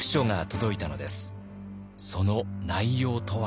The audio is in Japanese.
その内容とは。